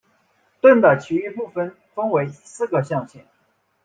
盾的其余部分分为四个象限。